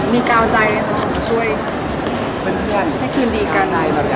มีก้าวใจขอช่วยเพื่อนให้คืนดีกัน